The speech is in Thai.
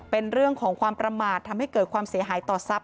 เป็นเรื่องของความประมาททำให้เกิดความเสียหายต่อทรัพย